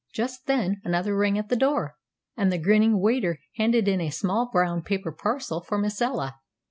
Just then, another ring at the door, and the grinning waiter handed in a small brown paper parcel for Miss Ella.